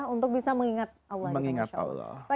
untuk bisa mengingat allah